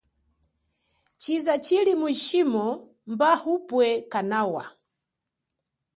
Tshiza chili mujimo mba upwe kanawa.